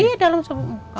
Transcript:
iya di dalam semua